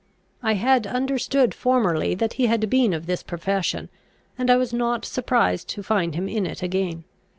I had understood formerly that he had been of this profession, and I was not surprised to find him in it again.